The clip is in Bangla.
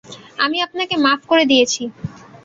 আমি আপনাকে মাফ করে দিয়েছি।